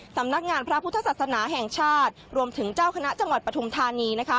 สำนักงานพระพุทธศาสนาแห่งชาติรวมถึงเจ้าคณะจังหวัดปฐุมธานีนะคะ